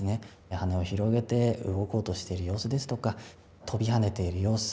羽を広げて動こうとしている様子ですとか跳びはねている様子。